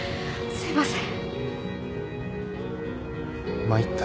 すいません。